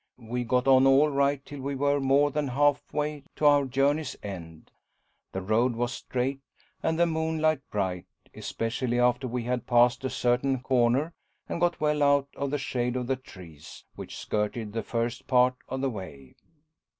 We got on all right till we were more than half way to our journey's end. The road was straight and the moonlight bright, especially after we had passed a certain corner, and got well out of the shade of the trees which skirted the first part of the way.